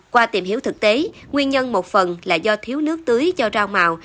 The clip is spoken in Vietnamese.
qua tìm hiểu thực tế nguyên nhân một phần là do thiếu nước tưới cho rau màu